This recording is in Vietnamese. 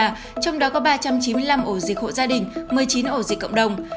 trong đó có ba trăm chín mươi năm ổ dịch hộ gia đình một mươi chín ổ dịch cộng đồng